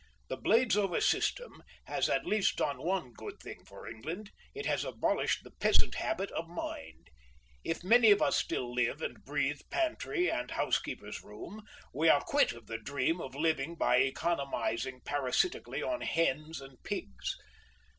The Bladesover system has at least done one good thing for England, it has abolished the peasant habit of mind. If many of us still live and breathe pantry and housekeeper's room, we are quit of the dream of living by economising parasitically on hens and pigs....